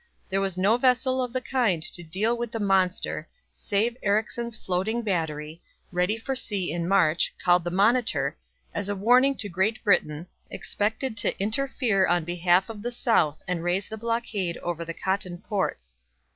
There was no vessel of the kind to deal with the monster save Ericsson's floating battery, ready for sea in March, called the Monitor, as a warning to Great Britain, expected to interfere on behalf of the South and raise the blockade over the cotton ports.